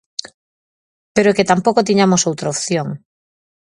Pero é que tampouco tiñamos outra opción.